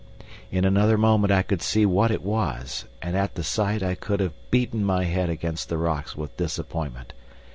In another moment I could see what it was, and at the sight I could have beaten my head against the rocks with disappointment.